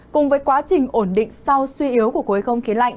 cùng với quá trình ổn định sau suy yếu của khối không khí lạnh